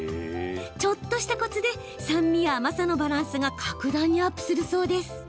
ちょっとしたコツで酸味や甘さのバランスが格段にアップするそう。